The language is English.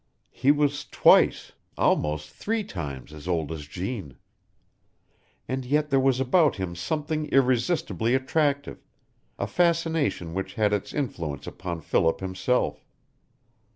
He was twice almost three times as old as Jeanne. And yet there was about him something irresistibly attractive, a fascination which had its influence upon Philip himself.